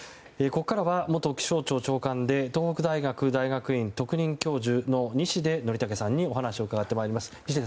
ここからは元気象庁長官で東北大学大学院特任教授の西出則武さんにお話を伺います。